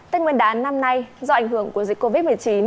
tên nguyên đán năm nay do ảnh hưởng của dịch covid một mươi chín